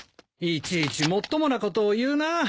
いちいちもっともなことを言うなあ。